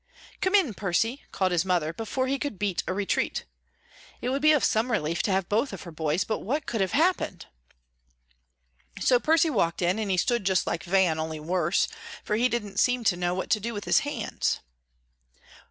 "Come in, Percy," called his mother, before he could beat a retreat. It would be some relief to have both of her boys, but what could have happened! So Percy walked in, and he stood just like Van, only worse, for he didn't seem to know what to do with his hands.